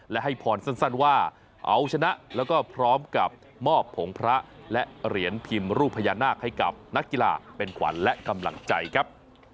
และให้พรสั้นว่าเอาชนะแล้วก็พร้อมกับมอบผงพระและเหรียญพิมพ์รูปพญานาคให้กับนักกีฬาเป็นขวัญและกำลังใจครับ